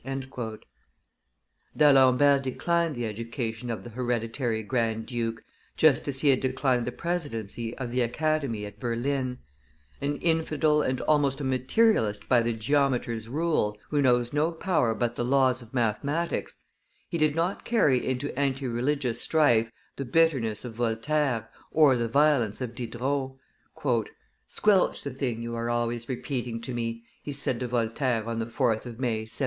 D'Alembert declined the education of the hereditary Grand Duke, just as he had declined the presidency of the Academy at Berlin; an infidel and almost a materialist by the geometer's rule, who knows no power but the laws of mathematics, he did not carry into anti religious strife the bitterness of Voltaire, or the violence of Diderot. "Squelch the thing! you are always repeating to me," he said to Voltaire on the 4th of May, 1762.